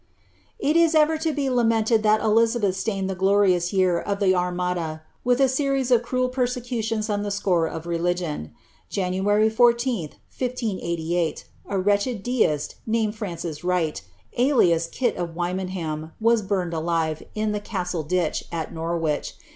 It is ever to be lamented that Elizabeth stained the glorious year ci the Armada with a series of cniel persecutions on the score of reliji"!: .lanuary 14th, 1588, a wretched deist, named Francis Wright, alias K" of Wyniondham, was burned alive, in the castle ditch, at Norwich.